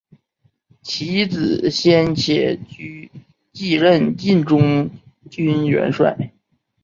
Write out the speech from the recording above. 其子先且居继任晋中军元帅。